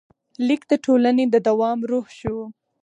لیک د ټولنې د دوام روح شو.